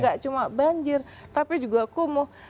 gak cuma banjir tapi juga kumuh